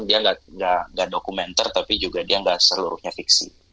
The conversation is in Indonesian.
dia nggak dokumenter tapi juga dia nggak seluruhnya fiksi